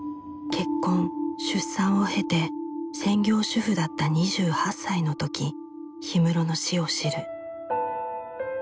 結婚出産を経て専業主婦だった２８歳の時氷室の死を知る。